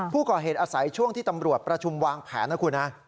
ผู้ก่อเหตุอาศัยช่วงที่ตำรวจประชุมวางแผนนะคุณฮะ